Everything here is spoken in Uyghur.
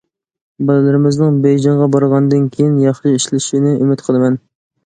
بالىلىرىمىزنىڭ بېيجىڭغا بارغاندىن كېيىن ياخشى ئىشلىشىنى ئۈمىد قىلىمەن.